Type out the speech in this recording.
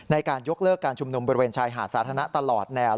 ในการยกเลิกการชุมนุมบริเวณชายหาดสาธารณะตลอดแนว